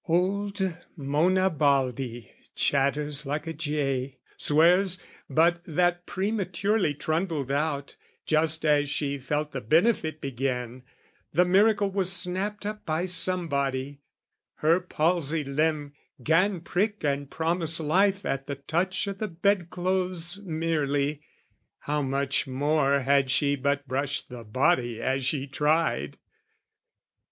Old Monna Baldi chatters like a jay, Swears but that, prematurely trundled out Just as she felt the benefit begin, The miracle was snapped up by somebody, Her palsied limb 'gan prick and promise life At touch o' the bedclothes merely, how much more Had she but brushed the body as she tried!